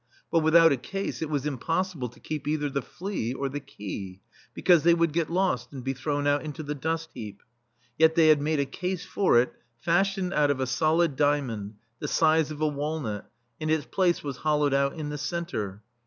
But without a case it was impossible to keep either the flea or the key, because they would get lost, and be thrown out into the dust heap. Yet they had made a case for it, fashioned out of a solid diamond, the size of a walnut, and its place was hollowed out in the centre.